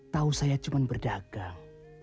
tahu saya cuma berdagang